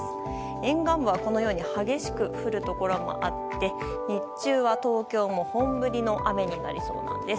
沿岸部は激しく降るところもあり日中は東京も本降りに雨になりそうなんです。